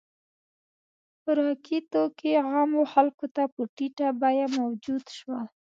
• خوراکي توکي عامو خلکو ته په ټیټه بیه موجود شول.